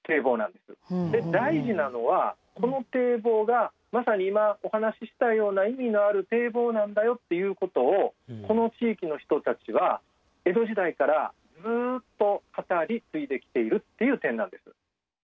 で大事なのはこの堤防がまさに今お話ししたような意味のある堤防なんだよっていうことをこの地域の人たちは江戸時代からずっと語り継いできているっていう点なんです。